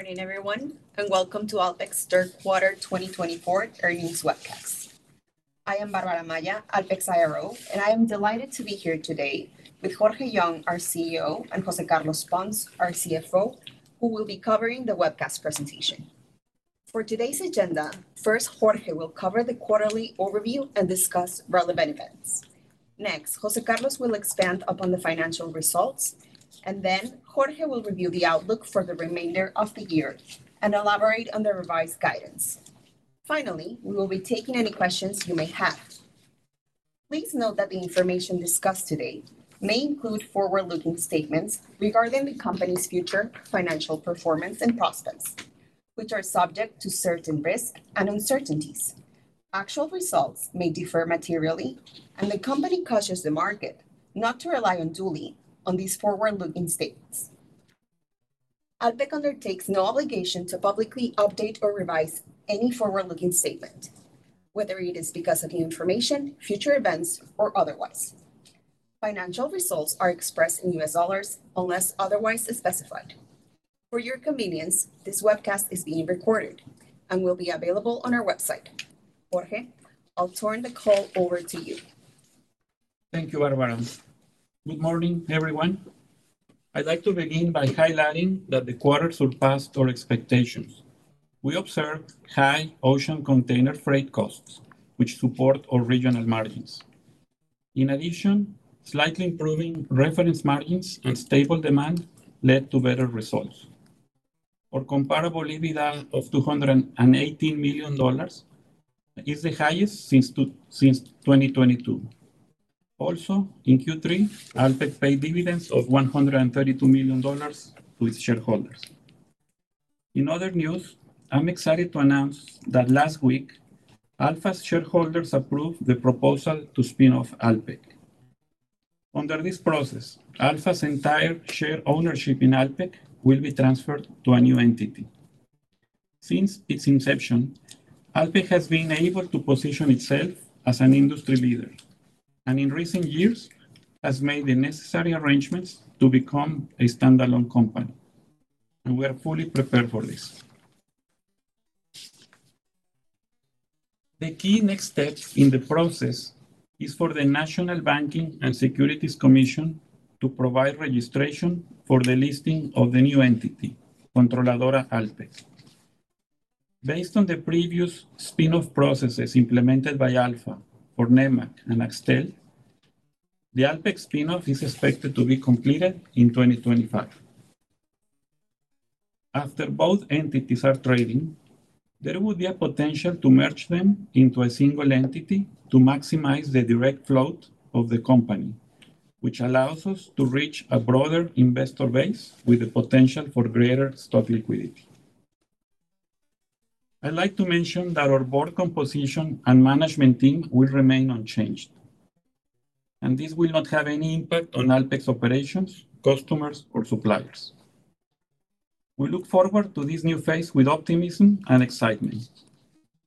Morning, everyone, and Welcome to Alpek's Q3 2024 Earnings Webcast. I am Bárbara Amaya, Alpek's IRO, and I am delighted to be here today with Jorge Young, our CEO, and José Carlos Pons, our CFO, who will be covering the webcast presentation. For today's agenda, first, Jorge will cover the quarterly overview and discuss relevant events. Next, José Carlos will expand upon the financial results, and then Jorge will review the outlook for the remainder of the year and elaborate on the revised guidance. Finally, we will be taking any questions you may have. Please note that the information discussed today may include forward-looking statements regarding the company's future financial performance and prospects, which are subject to certain risks and uncertainties. Actual results may differ materially, and the company cautions the market not to rely unduly on these forward-looking statements. Alpek undertakes no obligation to publicly update or revise any forward-looking statement, whether it is because of new information, future events, or otherwise. Financial results are expressed in U.S. dollars unless otherwise specified. For your convenience, this webcast is being recorded and will be available on our website. Jorge, I'll turn the call over to you. Thank you, Bárbara. Good morning, everyone. I'd like to begin by highlighting that the quarter surpassed our expectations. We observed high ocean container freight costs, which support our regional margins. In addition, slightly improving reference margins and stable demand led to better results. Our comparable EBITDA of $218 million is the highest since 2022. Also, in Q3, Alpek paid dividends of $132 million to its shareholders. In other news, I'm excited to announce that last week, Alfa's shareholders approved the proposal to spin off Alpek. Under this process, Alfa's entire share ownership in Alpek will be transferred to a new entity. Since its inception, Alpek has been able to position itself as an industry leader and, in recent years, has made the necessary arrangements to become a standalone company, and we are fully prepared for this. The key next step in the process is for the National Banking and Securities Commission to provide registration for the listing of the new entity, Controladora Alpek. Based on the previous spin-off processes implemented by Alfa for Nemak and Axtel, the Alpek spin-off is expected to be completed in 2025. After both entities are trading, there would be a potential to merge them into a single entity to maximize the direct float of the company, which allows us to reach a broader investor base with the potential for greater stock liquidity. I'd like to mention that our board composition and management team will remain unchanged, and this will not have any impact on Alpek's operations, customers, or suppliers. We look forward to this new phase with optimism and excitement.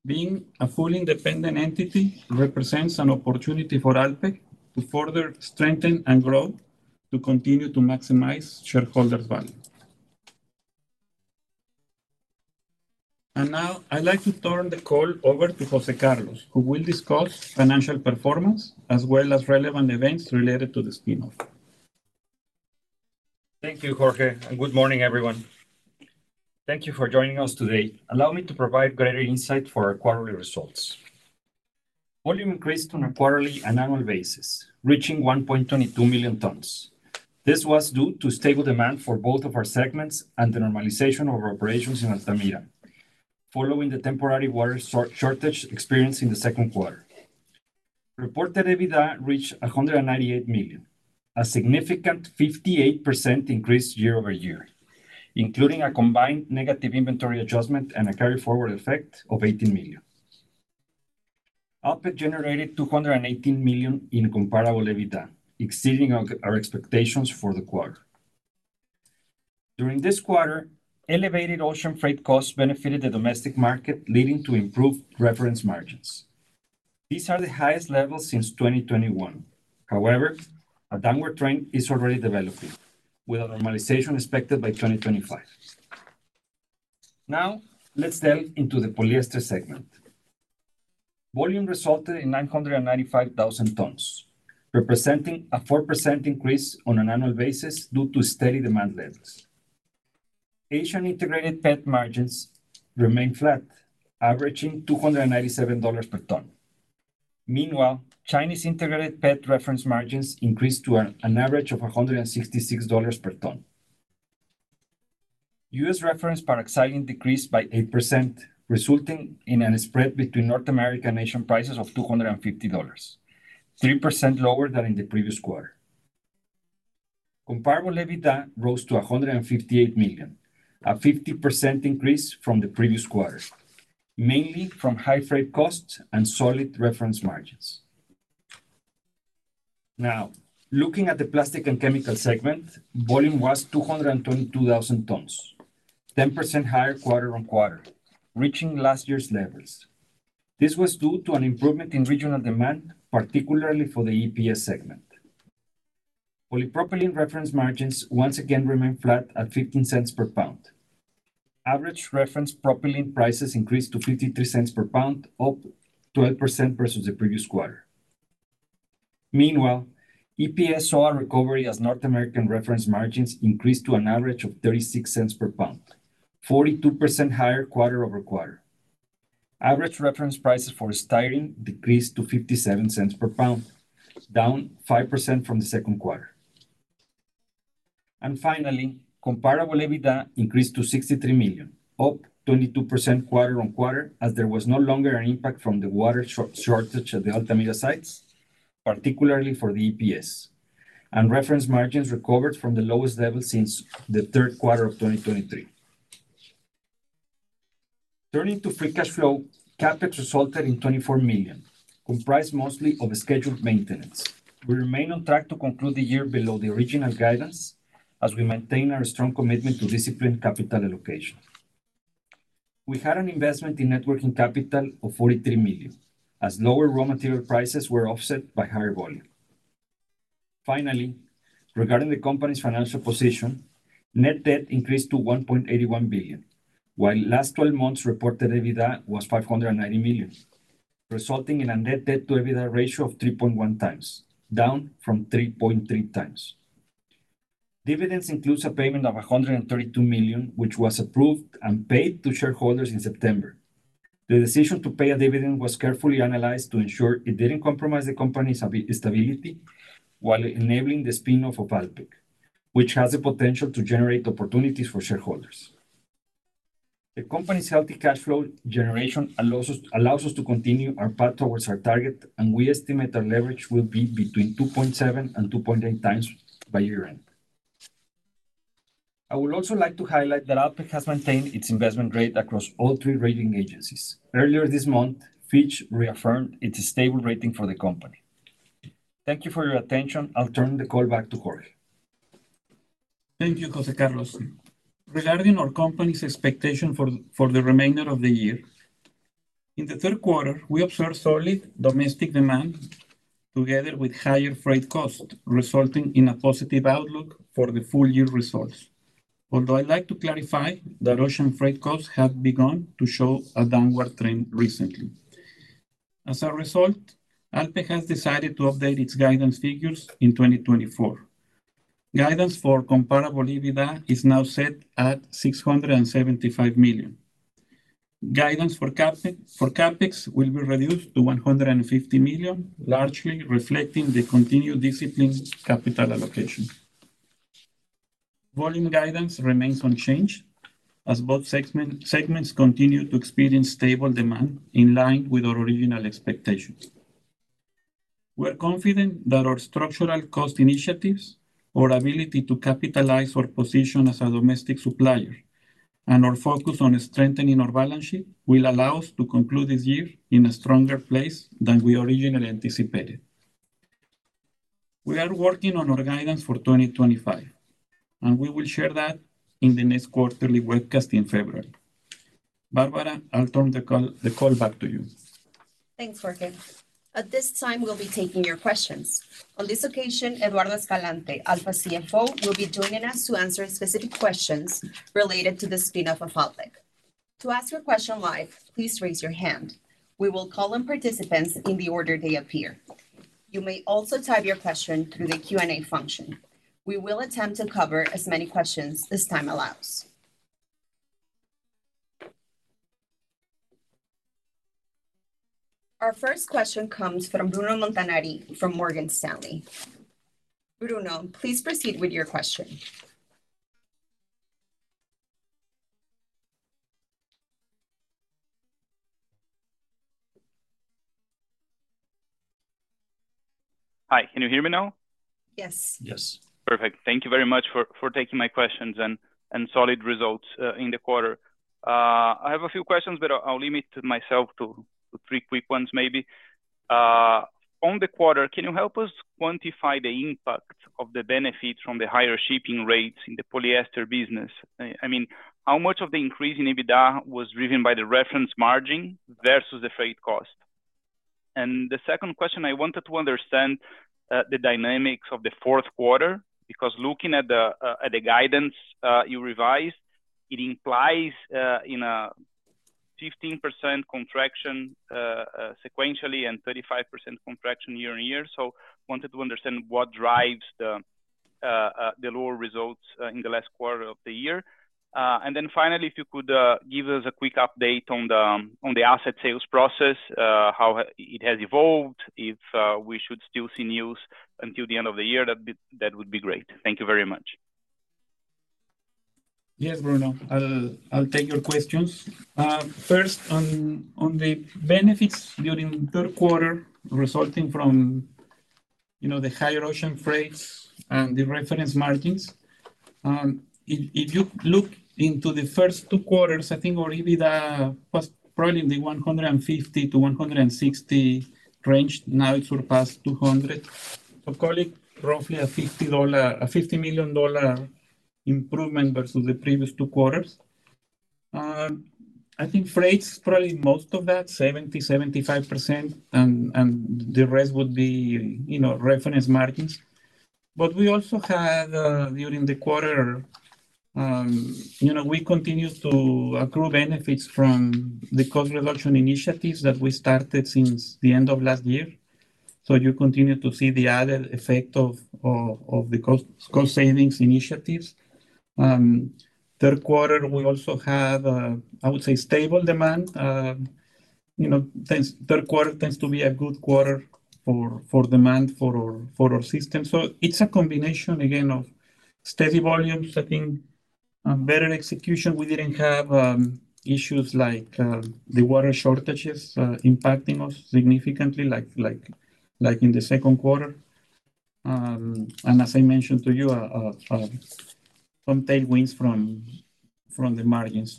Being a fully independent entity represents an opportunity for Alpek to further strengthen and grow to continue to maximize shareholders' value. Now, I'd like to turn the call over to José Carlos, who will discuss financial performance as well as relevant events related to the spin-off. Thank you, Jorge, and good morning, everyone. Thank you for joining us today. Allow me to provide greater insight for our quarterly results. Volume increased on a quarterly and annual basis, reaching 1.22 million tons. This was due to stable demand for both of our segments and the normalization of our operations in Altamira, following the temporary water shortage experienced in the Q2. Reported EBITDA reached $198 million, a significant 58% increase year-over-year, including a combined negative inventory adjustment and a carry-forward effect of $18 million. Alpek generated $218 million in comparable EBITDA, exceeding our expectations for the quarter. During this quarter, elevated ocean freight costs benefited the domestic market, leading to improved reference margins. These are the highest levels since 2021. However, a downward trend is already developing, with a normalization expected by 2025. Now, let's delve into the polyester segment. Volume resulted in 995,000 tons, representing a 4% increase on an annual basis due to steady demand levels. Asian integrated PET margins remain flat, averaging $297 per ton. Meanwhile, Chinese integrated PET reference margins increased to an average of $166 per ton. US reference paraxylene decreased by 8%, resulting in a spread between North American and Asian prices of $250, 3% lower than in the previous quarter. Comparable EBITDA rose to $158 million, a 50% increase from the previous quarter, mainly from high freight costs and solid reference margins. Now, looking at the plastics and chemicals segment, volume was 222,000 tons, 10% higher quarter-on-quarter, reaching last year's levels. This was due to an improvement in regional demand, particularly for the EPS segment. Polypropylene reference margins once again remained flat at $0.15 per pound. Average reference propylene prices increased to $0.53 per pound, up 12% versus the previous quarter. Meanwhile, EPS saw a recovery as North American reference margins increased to an average of $0.36 per pound, 42% higher quarter-over-quarter. Average reference prices for styrene decreased to $0.57 per pound, down 5% from the Q2. And finally, comparable EBITDA increased to $63 million, up 22% quarter-on-quarter, as there was no longer an impact from the water shortage at the Altamira sites, particularly for the EPS, and reference margins recovered from the lowest level since the Q3 of 2023. Turning to free cash flow, CapEx resulted in $24 million, comprised mostly of scheduled maintenance. We remain on track to conclude the year below the original guidance, as we maintain our strong commitment to disciplined capital allocation. We had an investment in working capital of $43 million, as lower raw material prices were offset by higher volume. Finally, regarding the company's financial position, net debt increased to $1.81 billion, while last 12 months' reported EBITDA was $590 million, resulting in a net debt-to-EBITDA ratio of 3.1 times, down from 3.3 times. Dividends include a payment of $132 million, which was approved and paid to shareholders in September. The decision to pay a dividend was carefully analyzed to ensure it didn't compromise the company's stability while enabling the spin-off of Alpek, which has the potential to generate opportunities for shareholders. The company's healthy cash flow generation allows us to continue our path towards our target, and we estimate our leverage will be between 2.7 and 2.8 times by year-end. I would also like to highlight that Alpek has maintained its investment grade across all three rating agencies. Earlier this month, Fitch reaffirmed its stable rating for the company. Thank you for your attention. I'll turn the call back to Jorge. Thank you, José Carlos. Regarding our company's expectation for the remainder of the year, in the Q3, we observed solid domestic demand together with higher freight costs, resulting in a positive outlook for the full year results, although I'd like to clarify that ocean freight costs have begun to show a downward trend recently. As a result, Alpek has decided to update its guidance figures in 2024. Guidance for comparable EBITDA is now set at $675 million. Guidance for CAPEX will be reduced to $150 million, largely reflecting the continued disciplined capital allocation. Volume guidance remains unchanged, as both segments continue to experience stable demand in line with our original expectations. We're confident that our structural cost initiatives, our ability to capitalize our position as a domestic supplier, and our focus on strengthening our balance sheet will allow us to conclude this year in a stronger place than we originally anticipated. We are working on our guidance for 2025, and we will share that in the next quarterly webcast in February. Bárbara, I'll turn the call back to you. Thanks, Jorge. At this time, we'll be taking your questions. On this occasion, Eduardo Escalante, Alfa CFO, will be joining us to answer specific questions related to the spin-off of Alpek. To ask your question live, please raise your hand. We will call on participants in the order they appear. You may also type your question through the Q&A function. We will attempt to cover as many questions as time allows. Our first question comes from Bruno Montanari from Morgan Stanley. Bruno, please proceed with your question. Hi, can you hear me now? Yes. Yes. Perfect. Thank you very much for taking my questions and solid results in the quarter. I have a few questions, but I'll limit myself to three quick ones, maybe. On the quarter, can you help us quantify the impact of the benefits from the higher shipping rates in the polyester business? I mean, how much of the increase in EBITDA was driven by the reference margin versus the freight cost? And the second question, I wanted to understand the dynamics of the Q4, because looking at the guidance you revised, it implies a 15% contraction sequentially and 35% contraction year on year. So I wanted to understand what drives the lower results in the last quarter of the year. And then finally, if you could give us a quick update on the asset sales process, how it has evolved, if we should still see news until the end of the year, that would be great. Thank you very much. Yes, Bruno. I'll take your questions. First, on the benefits during the Q3 resulting from the higher ocean freights and the reference margins, if you look into the first two quarters, I think our EBITDA was probably in the $150-$160 range. Now it surpassed $200. So call it roughly a $50 million improvement versus the previous two quarters. I think freights probably most of that, 70%-75%, and the rest would be reference margins. But we also had during the quarter, we continued to accrue benefits from the cost reduction initiatives that we started since the end of last year. So you continue to see the added effect of the cost savings initiatives. Q3, we also had, I would say, stable demand. Q tends to be a good quarter for demand for our system. So it's a combination, again, of steady volumes, I think, better execution. We didn't have issues like the water shortages impacting us significantly, like in the Q2. And as I mentioned to you, some tailwinds from the margins.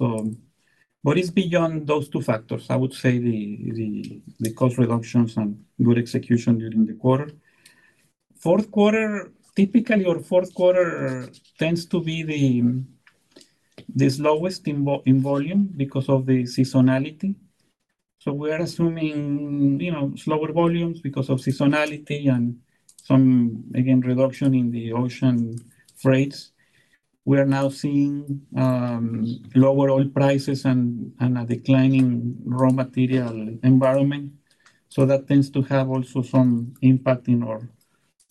But it's beyond those two factors, I would say, the cost reductions and good execution during the quarter. Q4, typically our Q4 tends to be the slowest in volume because of the seasonality. So we are assuming slower volumes because of seasonality and some, again, reduction in the ocean freights. We are now seeing lower oil prices and a declining raw material environment. So that tends to have also some impact in our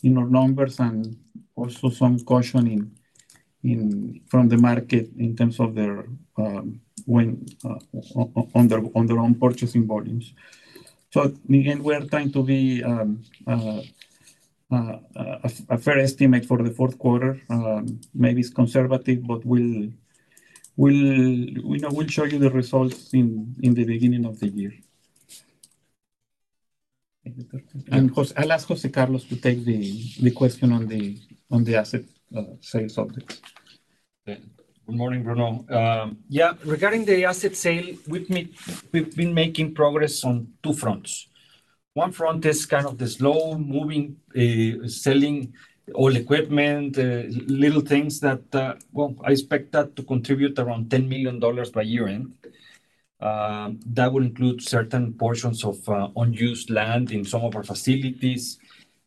numbers and also some caution from the market in terms of their own purchasing volumes. So again, we are trying to be a fair estimate for the Q4. Maybe it's conservative, but we'll show you the results in the beginning of the year. I'll ask José Carlos to take the question on the asset sales subject. Good morning, Bruno. Yeah, regarding the asset sale, we've been making progress on two fronts. One front is kind of the slow-moving selling all equipment, little things that, well, I expect that to contribute around $10 million by year-end. That will include certain portions of unused land in some of our facilities.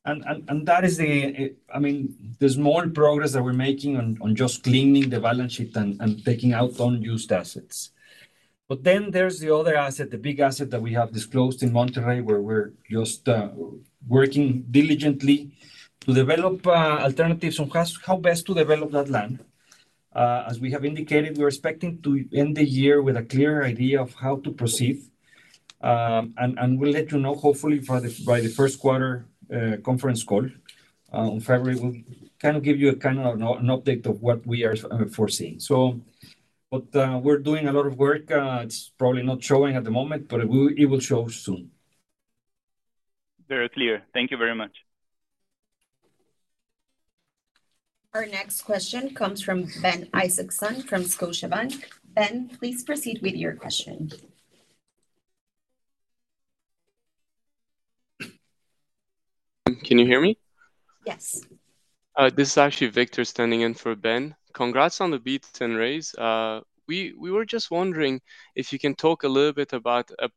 And that is the, I mean, the small progress that we're making on just cleaning the balance sheet and taking out unused assets. But then there's the other asset, the big asset that we have disclosed in Monterrey, where we're just working diligently to develop alternatives on how best to develop that land. As we have indicated, we're expecting to end the year with a clear idea of how to proceed. And we'll let you know, hopefully, by the Q1 conference call in February, we'll kind of give you an update of what we are foreseeing. But we're doing a lot of work. It's probably not showing at the moment, but it will show soon. Very clear. Thank you very much. Our next question comes from Ben Isaacson from Scotiabank. Ben, please proceed with your question. Can you hear me? Yes. This is actually Victor standing in for Ben. Congrats on the beats and raise. We were just wondering if you can talk a little bit about a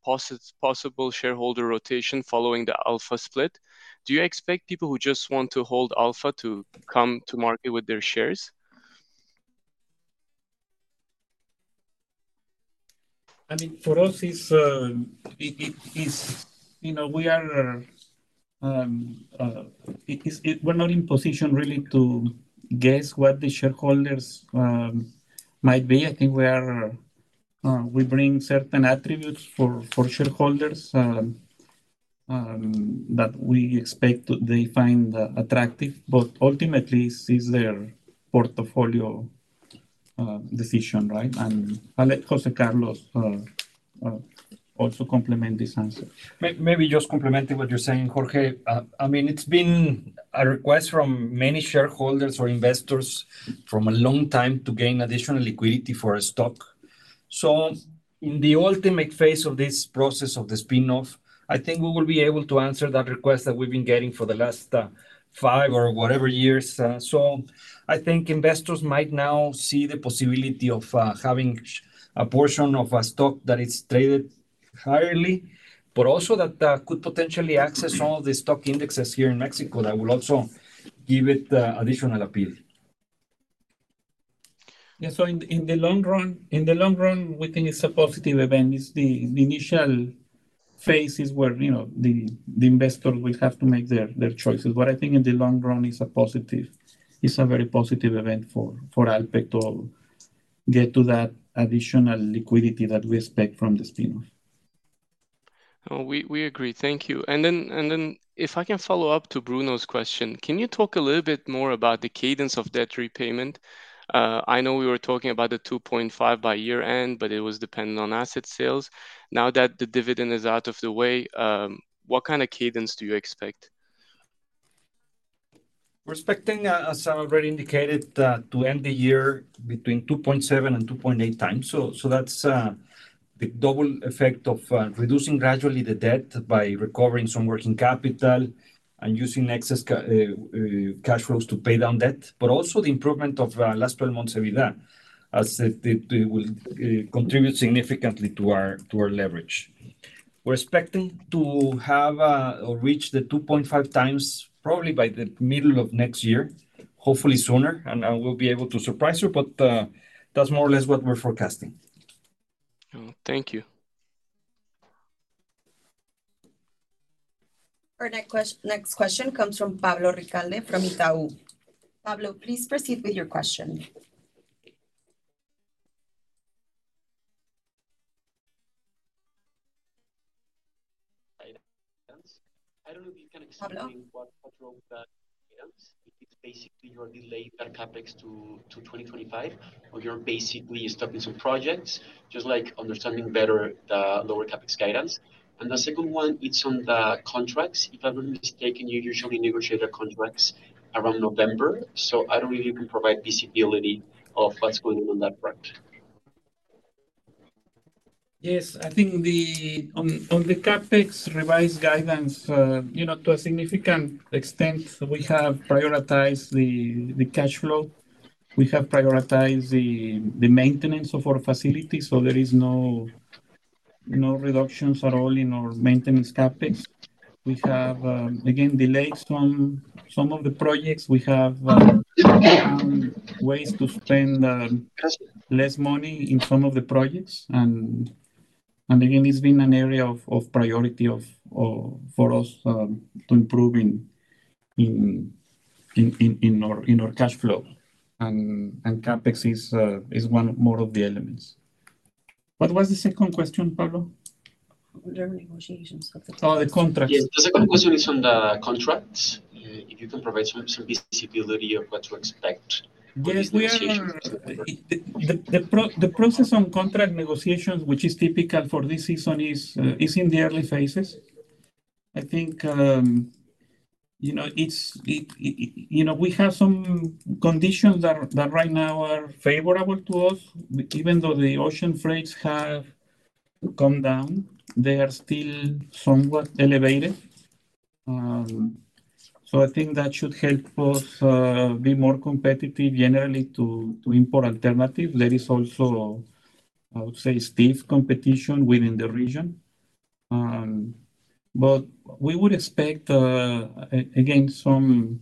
possible shareholder rotation following the Alfa split. Do you expect people who just want to hold Alfa to come to market with their shares? I mean, for us, we are not in position really to guess what the shareholders might be. I think we bring certain attributes for shareholders that we expect they find attractive, but ultimately, it's their portfolio decision, right? and I'll let José Carlos also complement this answer. Maybe just complementing what you're saying, Jorge. I mean, it's been a request from many shareholders or investors from a long time to gain additional liquidity for a stock. So in the ultimate phase of this process of the spin-off, I think we will be able to answer that request that we've been getting for the last five or whatever years. So I think investors might now see the possibility of having a portion of a stock that is traded highly, but also that could potentially access all the stock indexes here in Mexico that will also give it additional appeal. Yeah, so in the long run, we think it's a positive event. The initial phase is where the investor will have to make their choices. But I think in the long run, it's a very positive event for Alpek to get to that additional liquidity that we expect from the spin-off. We agree. Thank you. And then if I can follow up to Bruno's question, can you talk a little bit more about the cadence of debt repayment? I know we were talking about the 2.5 by year-end, but it was dependent on asset sales. Now that the dividend is out of the way, what kind of cadence do you expect? We're expecting, as I already indicated, to end the year between 2.7 and 2.8 times. That's the double effect of reducing gradually the debt by recovering some working capital and using excess cash flows to pay down debt, but also the improvement of last 12 months' EBITDA, as it will contribute significantly to our leverage. We're expecting to have or reach the 2.5 times probably by the middle of next year, hopefully sooner, and we'll be able to surprise you, but that's more or less what we're forecasting. Thank you. Our next question comes from Pablo Ricalde from Itaú. Pablo, please proceed with your question. I don't know if you can explain what said. It's basically you are delaying that CapEx to 2025, or you're basically stopping some projects, just like understanding better the lower CapEx guidance. And the second one, it's on the contracts. If I'm not mistaken, you usually negotiate the contracts around November. So I don't know if you can provide visibility of what's going on on that front. Yes, I think on the CAPEX revised guidance, to a significant extent, we have prioritized the cash flow. We have prioritized the maintenance of our facilities. So there are no reductions at all in our maintenance CAPEX. We have, again, delayed some of the projects. We have ways to spend less money in some of the projects. And again, it's been an area of priority for us to improve in our cash flow. And CAPEX is one more of the elements. What was the second question, Pablo? Their negotiations of the contracts. Oh, the contracts. The second question is on the contracts. If you can provide some visibility of what to expect in negotiations? The process on contract negotiations, which is typical for this season, is in the early phases. I think we have some conditions that right now are favorable to us. Even though the ocean freights have come down, they are still somewhat elevated. So I think that should help us be more competitive generally to import alternatives. There is also, I would say, stiff competition within the region. But we would expect, again, some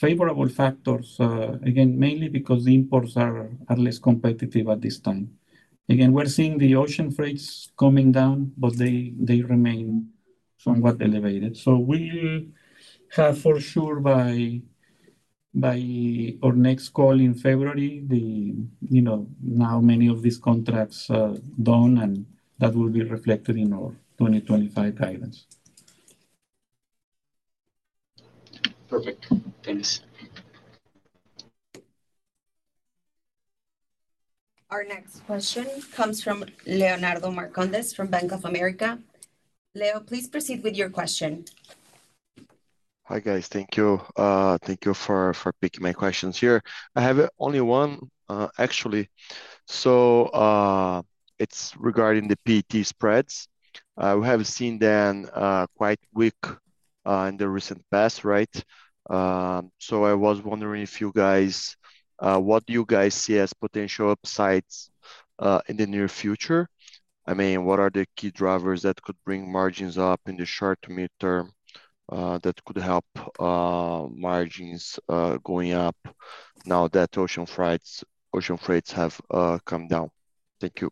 favorable factors, again, mainly because the imports are less competitive at this time. Again, we're seeing the ocean freights coming down, but they remain somewhat elevated. So we'll have for sure by our next call in February, now many of these contracts done, and that will be reflected in our 2025 guidance. Perfect. Thanks. Our next question comes from Leonardo Marcondes from Bank of America. Leo, please proceed with your question. Hi, guys. Thank you. Thank you for picking my questions here. I have only one, actually. So it's regarding the PET spreads. We have seen them quite weak in the recent past, right? So I was wondering if you guys, what do you guys see as potential upsides in the near future? I mean, what are the key drivers that could bring margins up in the short to mid-term that could help margins going up now that ocean freights have come down? Thank you.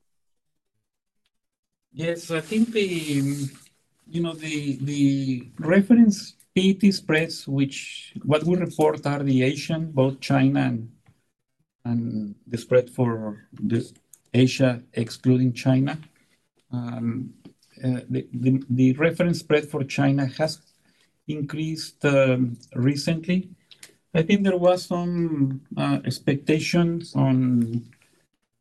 Yes. So I think the reference PET spreads, which what we report are the Asian, both China and the spread for the Asia excluding China. The reference spread for China has increased recently. I think there were some expectations on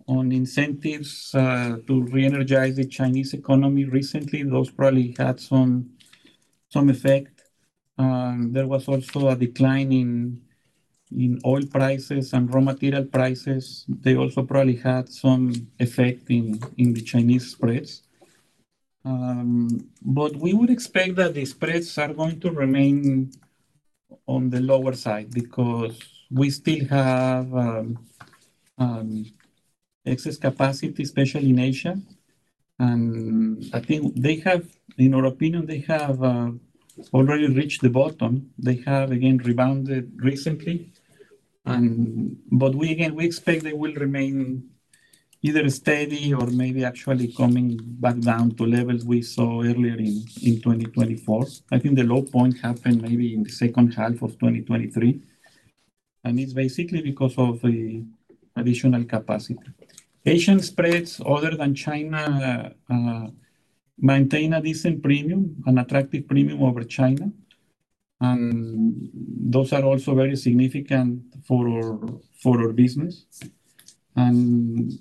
incentives to re-energize the Chinese economy recently. Those probably had some effect. There was also a decline in oil prices and raw material prices. They also probably had some effect in the Chinese spreads. But we would expect that the spreads are going to remain on the lower side because we still have excess capacity, especially in Asia. And I think they have, in our opinion, they have already reached the bottom. They have, again, rebounded recently. But again, we expect they will remain either steady or maybe actually coming back down to levels we saw earlier in 2024. I think the low point happened maybe in the second half of 2023, and it's basically because of the additional capacity. Asian spreads, other than China, maintain a decent premium, an attractive premium over China, and those are also very significant for our business, and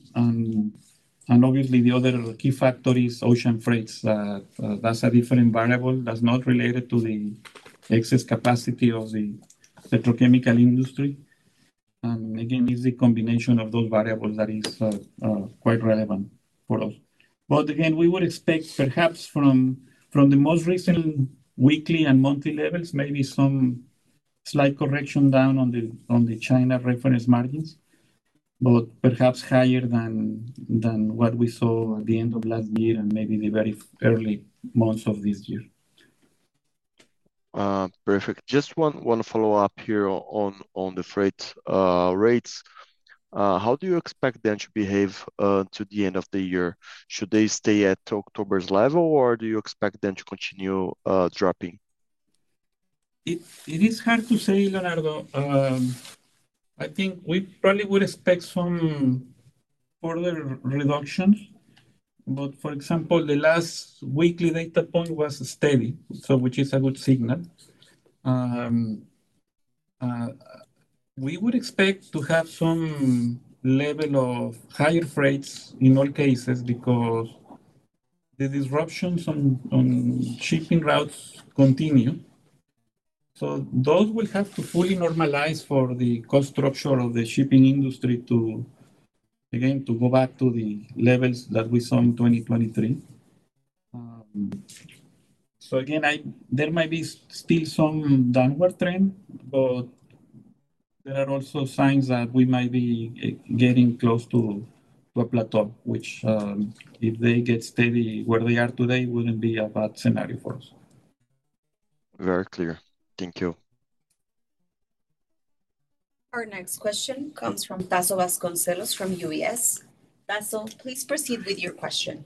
obviously, the other key factor is ocean freights. That's a different variable. That's not related to the excess capacity of the petrochemical industry, and again, it's the combination of those variables that is quite relevant for us, but again, we would expect perhaps from the most recent weekly and monthly levels, maybe some slight correction down on the China reference margins, but perhaps higher than what we saw at the end of last year and maybe the very early months of this year. Perfect. Just one follow-up here on the freight rates. How do you expect them to behave to the end of the year? Should they stay at October's level, or do you expect them to continue dropping? It is hard to say, Leonardo. I think we probably would expect some further reductions. But for example, the last weekly data point was steady, which is a good signal. We would expect to have some level of higher freights in all cases because the disruptions on shipping routes continue. So those will have to fully normalize for the construction of the shipping industry to, again, go back to the levels that we saw in 2023. So again, there might be still some downward trend, but there are also signs that we might be getting close to a plateau, which if they get steady where they are today, it wouldn't be a bad scenario for us. Very clear. Thank you. Our next question comes from Tasso Vasconcelos from UBS. Tasso, please proceed with your question.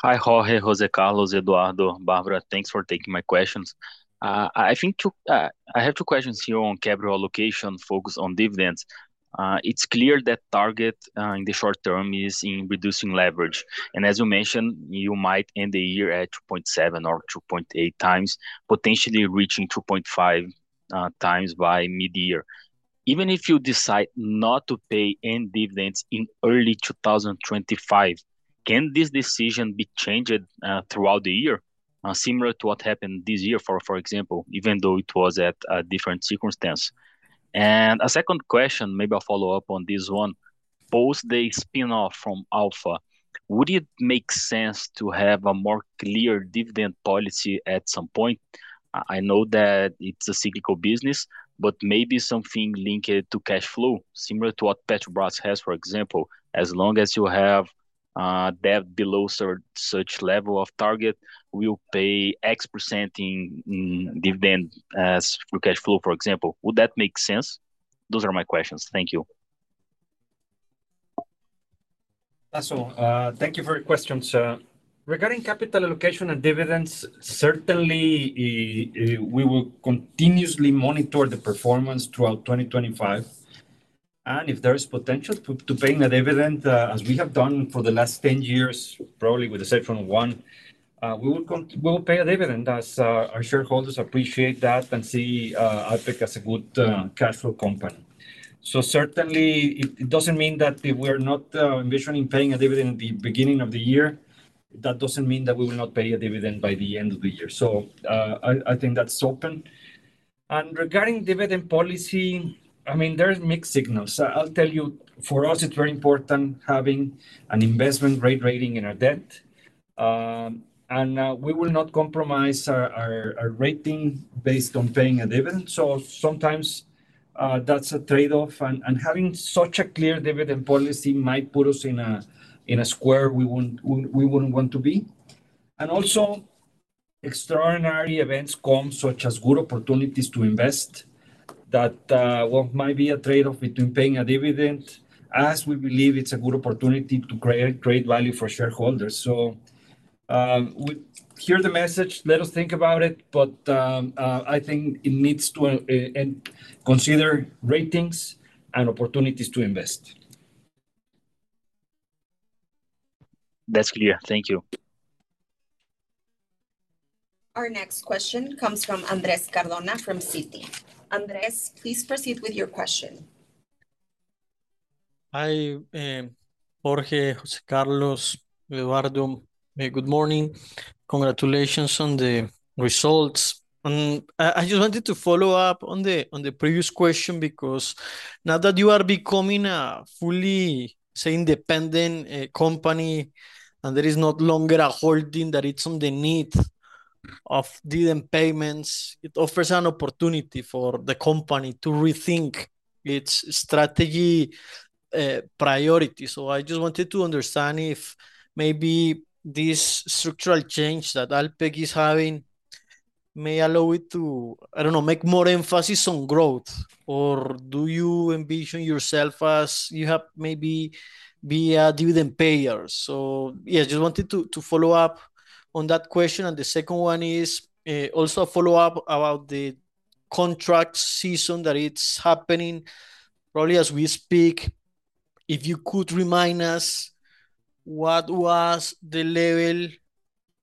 Hi, Jorge, José Carlos, Eduardo, Bárbara. Thanks for taking my questions. I have two questions here on capital allocation focused on dividends. It's clear that target in the short term is in reducing leverage. As you mentioned, you might end the year at 2.7 or 2.8 times, potentially reaching 2.5 times by mid-year. Even if you decide not to pay any dividends in early 2025, can this decision be changed throughout the year? Similar to what happened this year, for example, even though it was at a different circumstance. A second question, maybe I'll follow up on this one. Post the spin-off from Alfa, would it make sense to have a more clear dividend policy at some point? I know that it's a cyclical business, but maybe something linked to cash flow, similar to what Petrobras has, for example, as long as you have debt below such level of target, we'll pay X% in dividend as cash flow, for example. Would that make sense? Those are my questions. Thank you. Tasso, thank you for your questions. Regarding capital allocation and dividends, certainly, we will continuously monitor the performance throughout 2025. And if there is potential to pay a dividend, as we have done for the last 10 years, probably with the exception of one, we will pay a dividend as our shareholders appreciate that and see Alpek as a good cash flow company. So certainly, it doesn't mean that if we're not envisioning paying a dividend at the beginning of the year, that doesn't mean that we will not pay a dividend by the end of the year. So I think that's open. And regarding dividend policy, I mean, there are mixed signals. I'll tell you, for us, it's very important having an Investment Grade rating in our debt. And we will not compromise our rating based on paying a dividend. So sometimes that's a trade-off. Having such a clear dividend policy might put us in a box we wouldn't want to be. Also, extraordinary events come, such as good opportunities to invest, that what might be a trade-off between paying a dividend, as we believe it's a good opportunity to create great value for shareholders. We hear the message. Let us think about it, but I think it needs to consider ratings and opportunities to invest. That's clear. Thank you. Our next question comes from Andrés Cardona from Citi. Andrés, please proceed with your question. Hi, Jorge, José Carlos, Eduardo. Good morning. Congratulations on the results. And I just wanted to follow up on the previous question because now that you are becoming a fully, say, independent company, and there is no longer a holding that is in need of dividend payments, it offers an opportunity for the company to rethink its strategic priorities. So I just wanted to understand if maybe this structural change that Alpek is having may allow it to, I don't know, make more emphasis on growth, or do you envision yourself as you have maybe being a dividend payer? So yeah, I just wanted to follow up on that question. And the second one is also a follow-up about the contract season that is happening. Probably as we speak, if you could remind us what was the level,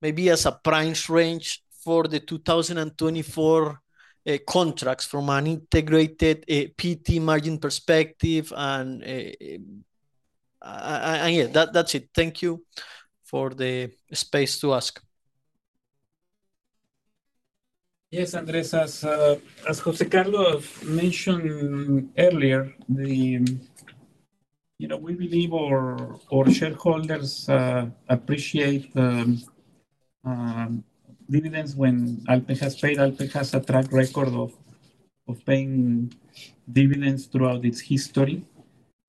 maybe as a price range for the 2024 contracts from an integrated PET margin perspective? And yeah, that's it. Thank you for the space to ask. Yes, Andrés, as José Carlos mentioned earlier, we believe our shareholders appreciate dividends when Alpek has paid. Alpek has a track record of paying dividends throughout its history.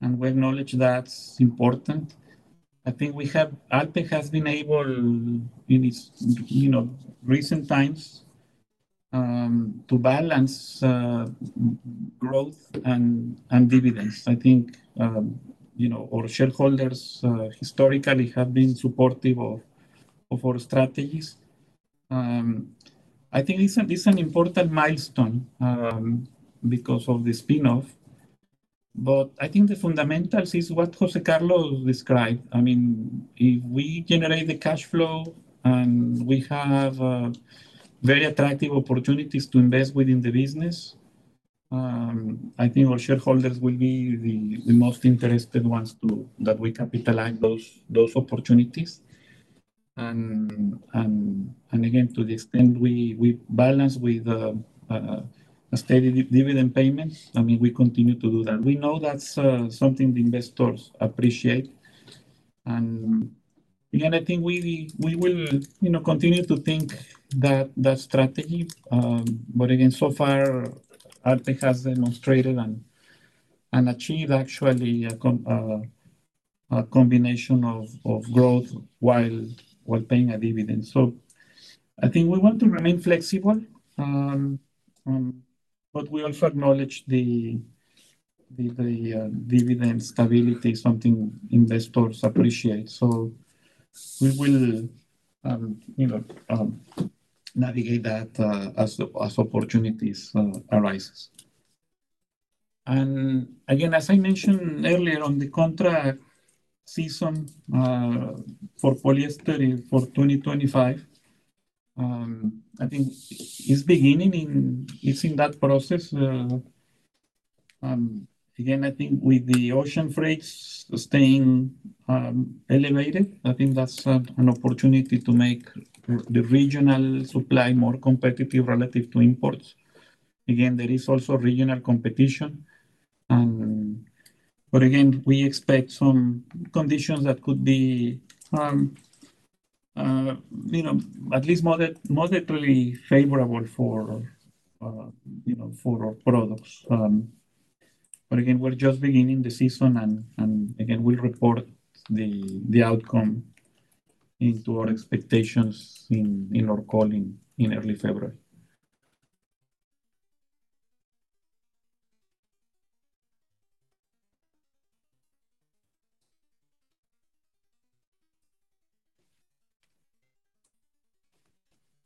And we acknowledge that's important. I think Alpek has been able in its recent times to balance growth and dividends. I think our shareholders historically have been supportive of our strategies. I think it's an important milestone because of the spin-off. But I think the fundamentals is what José Carlos described. I mean, if we generate the cash flow and we have very attractive opportunities to invest within the business, I think our shareholders will be the most interested ones that we capitalize those opportunities. And again, to the extent we balance with a steady dividend payment, I mean, we continue to do that. We know that's something the investors appreciate. And again, I think we will continue to think that strategy. But again, so far, Alpek has demonstrated and achieved actually a combination of growth while paying a dividend. So I think we want to remain flexible, but we also acknowledge the dividend stability is something investors appreciate. So we will navigate that as opportunities arise. And again, as I mentioned earlier on the contract season for polyester for 2025, I think it's beginning; it's in that process. Again, I think with the ocean freights staying elevated, I think that's an opportunity to make the regional supply more competitive relative to imports. Again, there is also regional competition. But again, we expect some conditions that could be at least moderately favorable for our products. But again, we're just beginning the season, and again, we'll report the outcome into our expectations in our call in early February.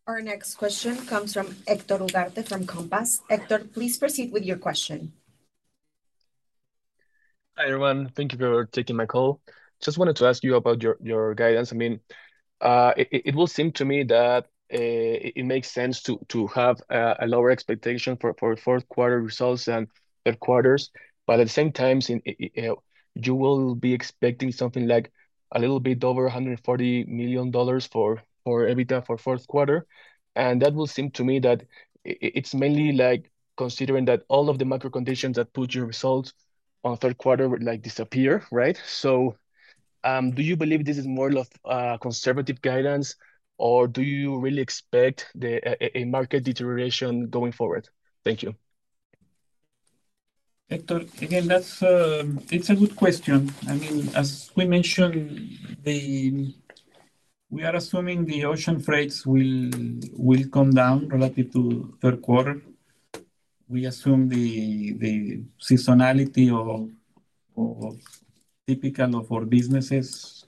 Our next question comes from Héctor Ugarte from Compass. Héctor, please proceed with your question. Hi everyone. Thank you for taking my call. Just wanted to ask you about your guidance. I mean, it will seem to me that it makes sense to have a lower expectation for Q4 results and Q3. But at the same time, you will be expecting something like a little bit over $140 million for EBITDA for Q4. And that will seem to me that it's mainly considering that all of the macro conditions that put your results on Q3 disappear, right? So do you believe this is more of conservative guidance, or do you really expect a market deterioration going forward? Thank you. Héctor, again, that's a good question. I mean, as we mentioned, we are assuming the ocean freights will come down relative to Q3. We assume the seasonality of typical of our businesses.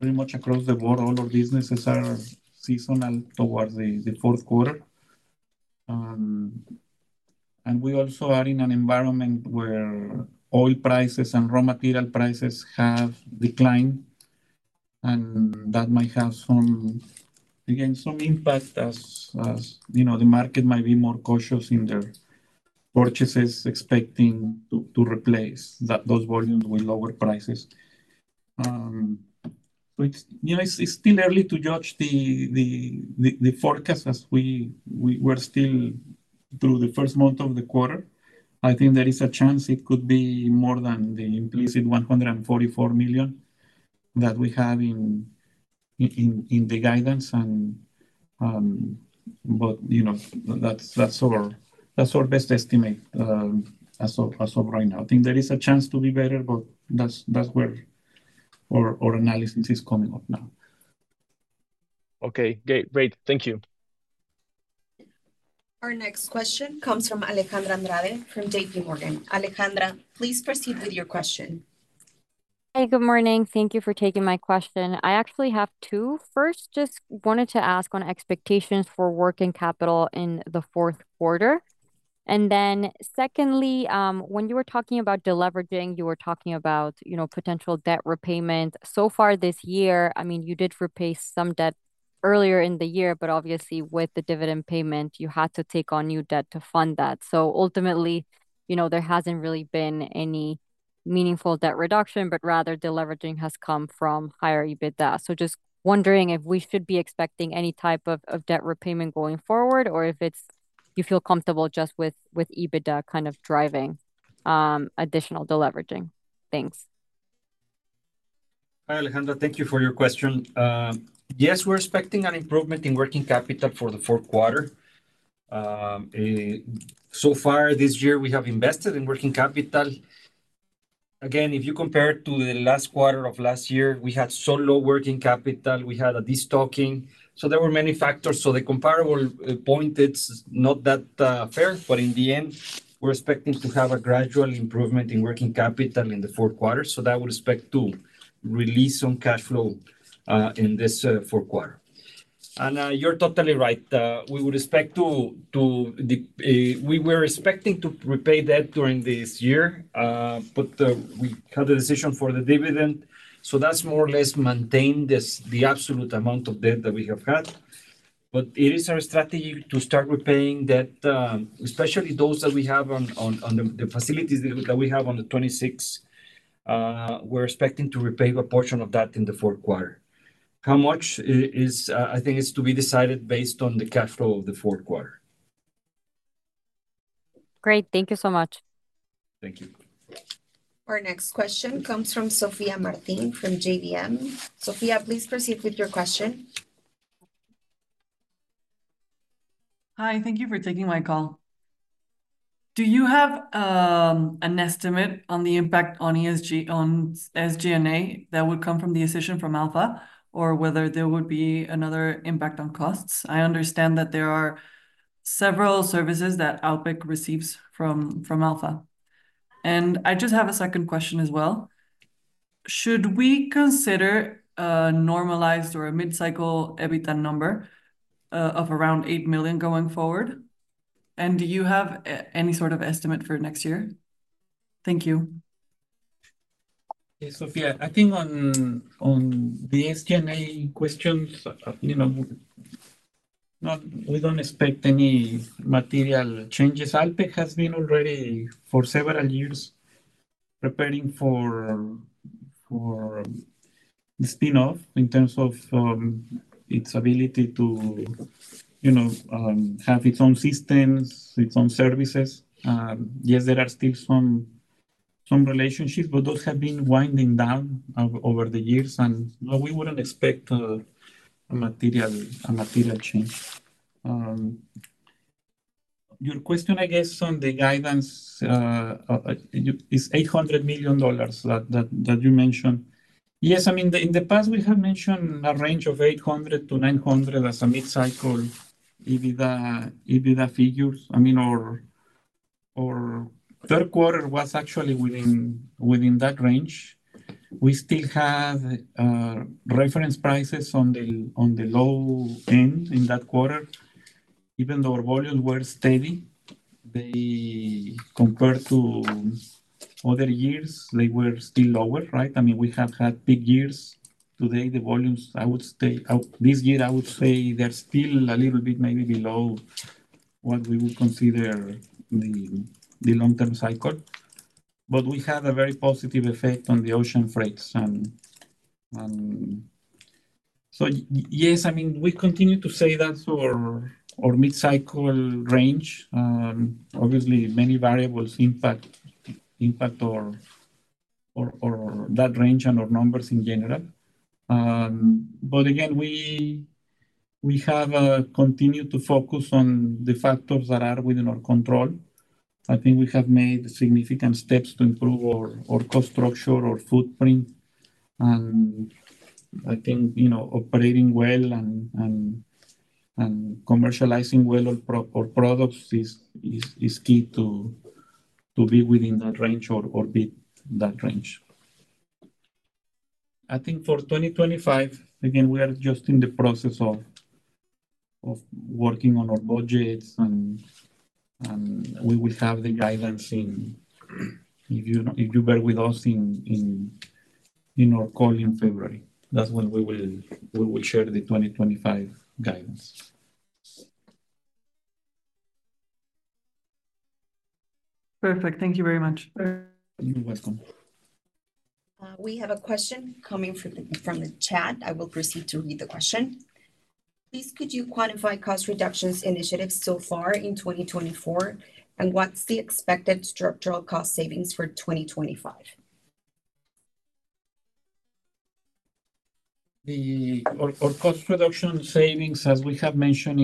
Pretty much across the board, all our businesses are seasonal towards the Q4. And we also are in an environment where oil prices and raw material prices have declined. And that might have some, again, some impact as the market might be more cautious in their purchases expecting to replace those volumes with lower prices. It's still early to judge the forecast as we were still through the first month of the quarter. I think there is a chance it could be more than the implicit $144 million that we have in the guidance. But that's our best estimate as of right now. I think there is a chance to be better, but that's where our analysis is coming up now. Okay. Great. Thank you. Our next question comes from Alejandra Andrade from JPMorgan. Alejandra, please proceed with your question. Hey, good morning. Thank you for taking my question. I actually have two. First, just wanted to ask on expectations for working capital in the Q4. And then secondly, when you were talking about deleveraging, you were talking about potential debt repayment. So far this year, I mean, you did repay some debt earlier in the year, but obviously with the dividend payment, you had to take on new debt to fund that. So ultimately, there hasn't really been any meaningful debt reduction, but rather deleveraging has come from higher EBITDA. So just wondering if we should be expecting any type of debt repayment going forward, or if you feel comfortable just with EBITDA kind of driving additional deleveraging. Thanks. Hi, Alejandra. Thank you for your question. Yes, we're expecting an improvement in working capital for the Q4. So far this year, we have invested in working capital. Again, if you compare it to the last quarter of last year, we had so low working capital. We had a destocking. So there were many factors. So the comparable point, it's not that fair, but in the end, we're expecting to have a gradual improvement in working capital in the Q4. So that would expect to release some cash flow in this Q4. And you're totally right. We were expecting to repay debt during this year, but we had a decision for the dividend. So that's more or less maintained the absolute amount of debt that we have had. But it is our strategy to start repaying debt, especially those that we have on the facilities that we have on the 26th. We're expecting to repay a portion of that in the Q4. How much is, I think it's to be decided based on the cash flow of the Q4. Great. Thank you so much. Thank you. Our next question comes from Sofía Martin from GBM. Sofia, please proceed with your question. Hi. Thank you for taking my call. Do you have an estimate on the impact on SG&A that would come from the decision from Alfa or whether there would be another impact on costs? I understand that there are several services that Alpek receives from Alfa. And I just have a second question as well. Should we consider a normalized or a mid-cycle EBITDA number of around $8 million going forward? And do you have any sort of estimate for next year? Thank you. Sofia, I think on the SG&A questions, we don't expect any material changes. Alpek has been already for several years preparing for the spin-off in terms of its ability to have its own systems, its own services. Yes, there are still some relationships, but those have been winding down over the years. We wouldn't expect a material change. Your question, I guess, on the guidance is $800 million that you mentioned. Yes, I mean, in the past, we have mentioned a range of $800 million-$900 million as mid-cycle EBITDA figures. I mean, our Q3 was actually within that range. We still had reference prices on the low end in that quarter. Even though our volumes were steady, compared to other years, they were still lower, right? I mean, we have had peak years. Today, the volumes, I would say, this year, I would say they're still a little bit maybe below what we would consider the long-term cycle. But we had a very positive effect on the ocean freights. So yes, I mean, we continue to say that's our mid-cycle range. Obviously, many variables impact that range and our numbers in general. But again, we have continued to focus on the factors that are within our control. I think we have made significant steps to improve our cost structure, our footprint. And I think operating well and commercializing well our products is key to be within that range or beat that range. I think for 2025, again, we are just in the process of working on our budgets, and we will have the guidance if you bear with us in our call in February. That's when we will share the 2025 guidance. Perfect. Thank you very much. You're welcome. We have a question coming from the chat. I will proceed to read the question. Please, could you quantify cost reductions initiatives so far in 2024, and what's the expected structural cost savings for 2025? Our cost reduction savings, as we have mentioned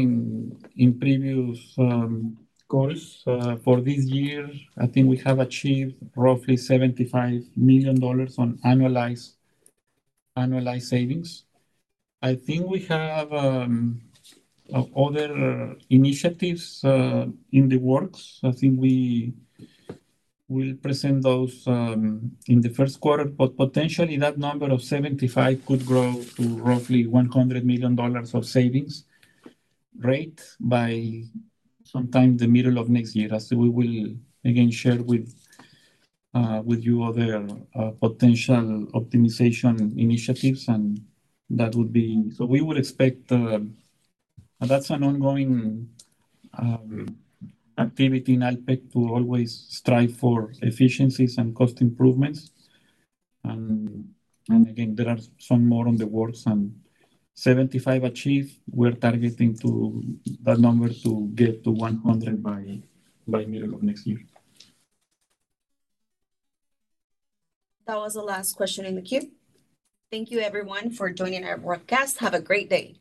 in previous calls for this year, I think we have achieved roughly $75 million on annualized savings. I think we have other initiatives in the works. I think we will present those in the Q1, but potentially that number of 75 could grow to roughly $100 million of savings rate by sometime the middle of next year. We will, again, share with you other potential optimization initiatives, and that would be so we would expect that's an ongoing activity in Alpek to always strive for efficiencies and cost improvements. And again, there are some more in the works. And 75 achieved, we're targeting that number to get to 100 by middle of next year. That was the last question in the queue. Thank you, everyone, for joining our broadcast. Have a great day.